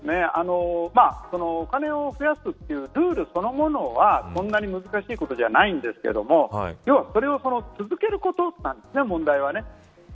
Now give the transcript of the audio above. お金を増やすというルールそのものはそんなに難しいことではないんですけど要は、それを続けることが問題です。